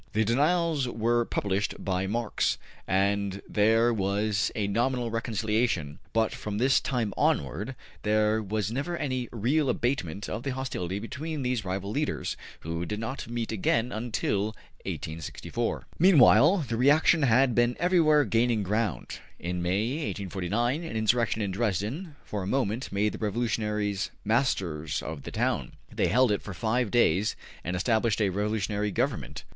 The denials were published by Marx, and there was a nominal reconciliation, but from this time onward there was never any real abatement of the hostility between these rival leaders, who did not meet again until 1864. Meanwhile, the reaction had been everywhere gaining ground. In May, 1849, an insurrection in Dresden for a moment made the revolutionaries masters of the town. They held it for five days and established a revolutionary government.